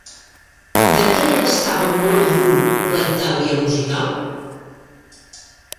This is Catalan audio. De què estava molt lluny la Itàlia musical?